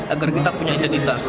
agar kita punya identitas